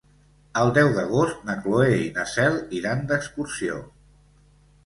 El deu d'agost na Cloè i na Cel iran d'excursió.